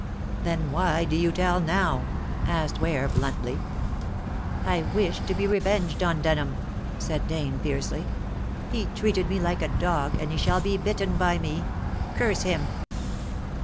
"Then why do you tell now?" asked Ware bluntly. "I wish to be revenged on Denham," said Dane fiercely. "He treated me like a dog, and he shall be bitten by me. Curse him!"